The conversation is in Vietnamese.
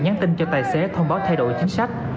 nhắn tin cho tài xế thông báo thay đổi chính sách